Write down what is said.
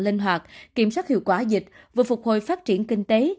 linh hoạt kiểm soát hiệu quả dịch vừa phục hồi phát triển kinh tế